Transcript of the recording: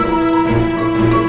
ya allah ya allah